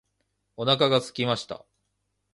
お腹がすきました。